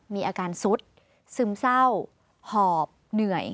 มีอาการสุดซึมเศร้าหอบเหนื่อย